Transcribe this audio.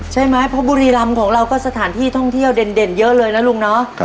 ใช่ไหมเพราะบุรีรำของเราก็สถานที่ท่องเที่ยวเด่นเยอะเลยนะลุงเนาะ